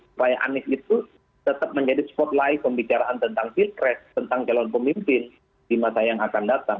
supaya anies itu tetap menjadi spotlight pembicaraan tentang pilpres tentang calon pemimpin di masa yang akan datang